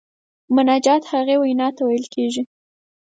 مناجات هغې وینا ته ویل کیږي.